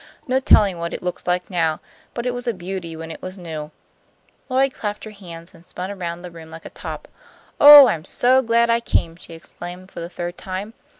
No telling what it looks like now, but it was a beauty when it was new." Lloyd clapped her hands and spun around the room like a top. "Oh, I'm so glad I came!" she exclaimed for the third time.